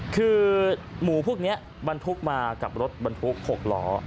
คือหมูพวกนี้บันทุกข์มากับรถบันทุกข์๖หลอ